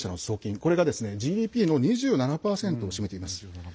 これがＧＤＰの２７％を占めています。